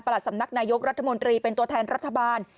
สำนักนายกรัฐมนตรีเป็นตัวแทนรัฐบาล